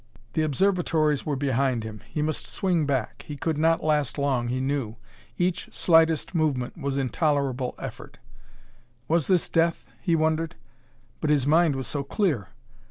The observatories were behind him; he must swing back; he could not last long, he knew; each slightest movement was intolerable effort. Was this death? he wondered; but his mind was so clear!